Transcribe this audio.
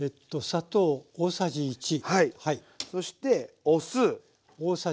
そしてお酢。